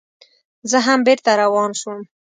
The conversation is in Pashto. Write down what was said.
زه هم بېرته روان شوم.